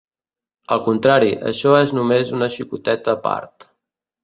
Al contrari, això és només una xicoteta part.